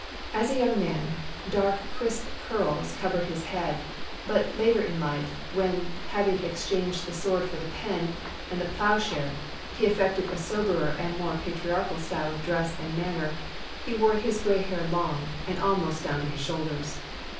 As a young man, dark crisp curls covered his head; but, later in life, when, having exchanged the sword for the pen and the ploughshare, he affected a soberer and more patriarchal style of dress and manner, he wore his gray hair long, and almost down to his shoulders.